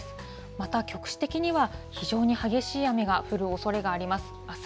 また、局地的には非常に激しい雨が降るおそれがあります。